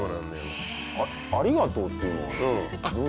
「ありがとう」っていうのはどういう事？